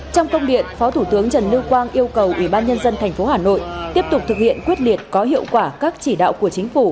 trong công điện phó thủ tướng trần lưu quang yêu cầu ủy ban nhân dân tp hà nội tiếp tục thực hiện quyết liệt có hiệu quả các chỉ đạo của chính phủ